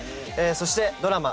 そしてドラマ